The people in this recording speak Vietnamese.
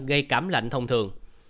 gây cảm lạnh thông thường